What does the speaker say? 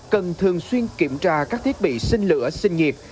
cần thường xuyên kiểm tra các thiết bị sinh lửa sinh nghiệp